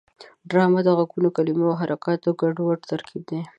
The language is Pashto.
ډرامه د غږونو، کلمو او حرکتونو ګډوډ ترکیب دی